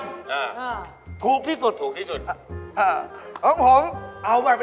นี่แหละทัพเข้ามาแน่